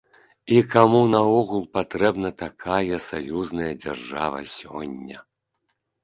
І каму наогул патрэбна такая саюзная дзяржава сёння?